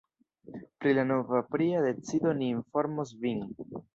Pri la nova pria decido ni informos vin.